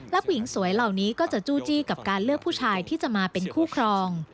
และผู้หญิงสวยเหล่านี้ก็จะจู้จี้กับการเลือกผู้ชายที่จะมาเป็นคู่ครอง